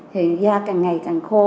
thì da càng ngày càng khô